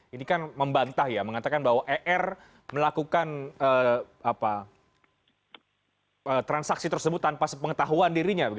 ini kan membantah ya mengatakan bahwa er melakukan transaksi tersebut tanpa sepengetahuan dirinya